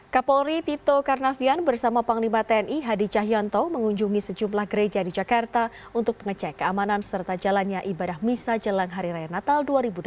kapolri tito karnavian bersama panglima tni hadi cahyonto mengunjungi sejumlah gereja di jakarta untuk mengecek keamanan serta jalannya ibadah misa jelang hari raya natal dua ribu delapan belas